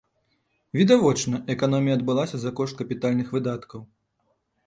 Відавочна, эканомія адбылася за кошт капітальных выдаткаў.